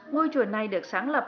ngôi chùa này được sáng lập